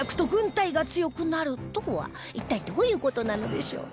一体どういう事なのでしょう？